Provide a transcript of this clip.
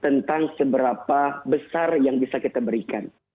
tentang seberapa besar yang bisa kita berikan